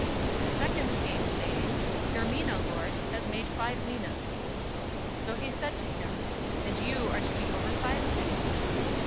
019:018 "The second came, saying, 'Your mina, Lord, has made five minas.' 019:019 "So he said to him, 'And you are to be over five cities.'